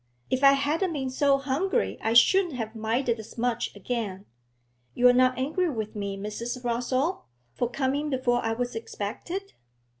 If I hadn't been so hungry I shouldn't have minded as much again. You're not angry with me, Mrs. Rossall, for coming before I was expected?'